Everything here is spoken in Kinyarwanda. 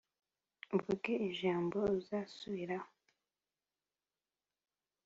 uvuge ijambo uzasubiraho